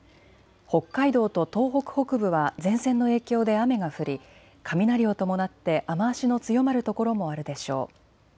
北海道と東北北部は前線の影響で雨が降り雷を伴って雨足の強まる所もあるでしょう。